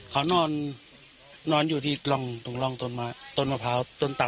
เขานอนนอนอยู่อยู่ที่ดึงร่องต้นต้นมะพร้าวต้นต่ำ